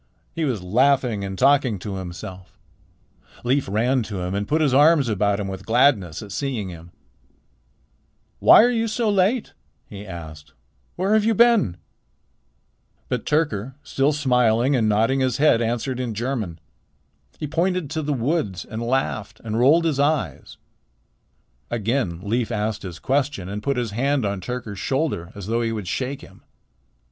He was laughing and talking to himself. Leif ran to him and put his arms about him with gladness at seeing him. [Illustration: "He pointed to the woods and laughed and rolled his eyes"] "Why are you so late?" he asked. "Where have you been?" But Tyrker, still smiling and nodding his head, answered in German. He pointed to the woods and laughed and rolled his eyes. Again Leif asked his question and put his hand on Tyrker's shoulder as though he would shake him.